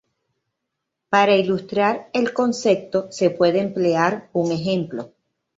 Para ilustrar el concepto, se puede emplear un ejemplo.